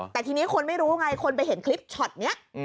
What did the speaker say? แต่ทีนี้คนไม่รู้ไงคนไปเห็นคลิปช็อตนี้